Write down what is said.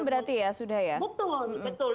berarti ya betul betul